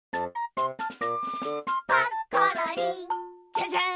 ジャジャン！